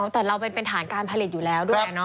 แต่เราเป็นฐานการผลิตอยู่แล้วด้วย